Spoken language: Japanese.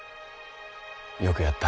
よくやった。